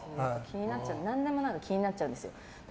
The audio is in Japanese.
何でも気になっちゃうんですよ。